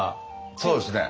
そうですね。